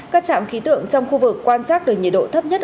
các trạm khí tượng trong khu vực quan trắc được nhiệt độ thấp nhất